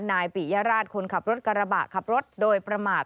ปิยราชคนขับรถกระบะขับรถโดยประมาท